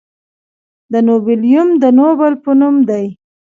د نوبلیوم د نوبل په نوم دی.